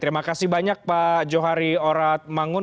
terima kasih banyak pak johari orat mangun